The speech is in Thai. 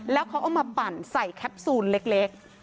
แล้วเขาเอามาปั่นใส่แคปซูลเล็ก